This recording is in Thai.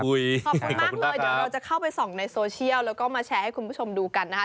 ขอบคุณมากเลยเดี๋ยวเราจะเข้าไปส่องในโซเชียลแล้วก็มาแชร์ให้คุณผู้ชมดูกันนะคะ